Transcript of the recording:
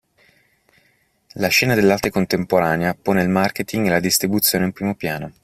La scena dell'arte contemporanea pone il marketing e la distribuzione in primo piano.